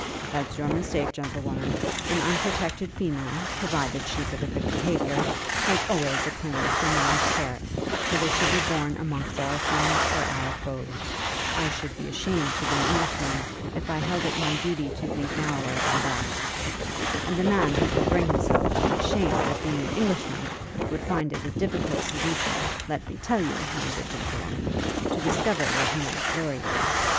'That's your mistake, gentlewoman. An unprotected female, provided she's of a good behaviour, has always a claim to a man's care, whether she be born amongst our friends or our foes. I should be ashamed to be an Englishman, if I held it my duty to think narrower than that. And a man who could bring himself to be ashamed of being an Englishman, would find it a difficult solution, let me tell you, my good gentlewoman, to discover what he might glory in.